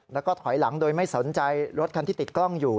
แล้วก็ถอยหลังโดยไม่สนใจรถคันที่ติดกล้องอยู่